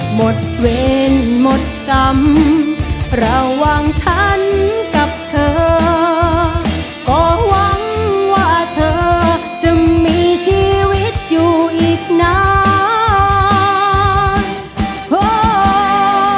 หมดเวรหมดกรรมระหว่างฉันกับเธอก็หวังว่าเธอจะมีชีวิตอยู่อีกนานพอ